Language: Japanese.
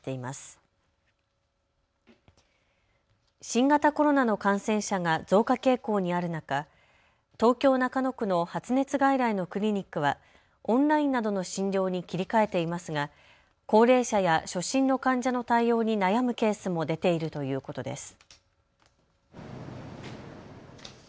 新型コロナの感染者が増加傾向にある中、東京中野区の発熱外来のクリニックはオンラインなどの診療に切り替えていますが高齢者や初診の患者の対応に悩むケースも出ているということです。